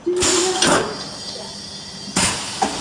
ګړه له خولې نه راوځي.